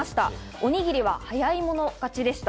おにぎりは早い者勝ちでした。